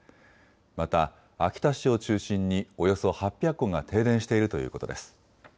また秋田市を中心におよそ８００戸が停電しているということです。